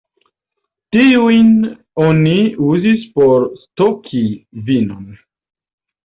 Tiujn oni uzis por stoki vinon.